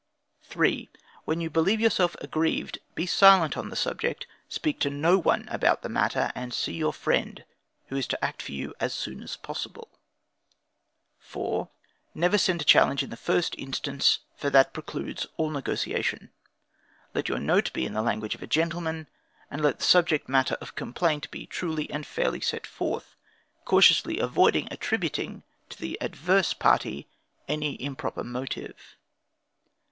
3. When you believe yourself aggrieved, be silent on the subject, speak to no one about the matter, and see your friend, who is to act for you, as soon as possible. 4. Never send a challenge in the first instance, for that precludes all negotiation. Let your note be in the language of a gentleman, and let the subject matter of complaint be truly and fairly set forth, cautiously avoiding attributing to the adverse party any improper motive.